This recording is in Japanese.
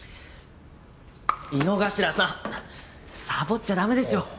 井之頭さんサボっちゃだめですよ。